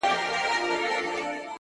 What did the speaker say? پاچا سر سلامت د یوه سوال که اجازت وي-